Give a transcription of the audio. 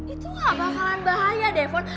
itu lah bakalan bahaya devon